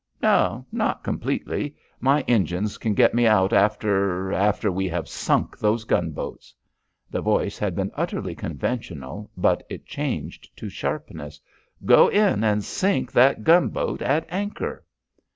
"No, not completely. My engines can get me out after after we have sunk those gunboats." The voice had been utterly conventional but it changed to sharpness. "Go in and sink that gunboat at anchor."